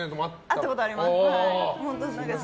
会ったことあります。